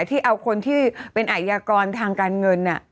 ที่เอาคนที่เป็นอายากรทางการเงิน